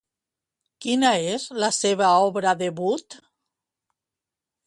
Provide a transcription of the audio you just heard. Quina és la seva obra debut?